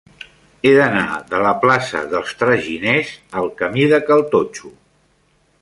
He d'anar de la plaça dels Traginers al camí de Cal Totxo.